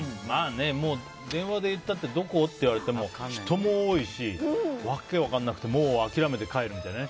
電話でどこって言われても人も多いし、訳分からなくてもう諦めて帰るっていうね。